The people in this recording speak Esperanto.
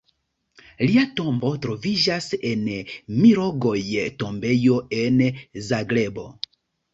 Lia tombo troviĝas en Mirogoj-tombejo en Zagrebo.